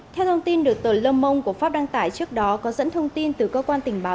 theo thông tin được tờ lâm mông của pháp đăng tải trước đó có dẫn thông tin từ cơ quan tình báo